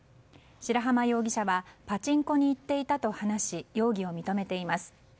白濱容疑者はパチンコに行っていたと話し容疑を認めています。